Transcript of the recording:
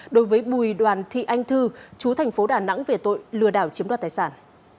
đối với bùi đoàn thị anh thư chú thành phố đà nẵng về tội lừa đảo chiếm đoạt tài sản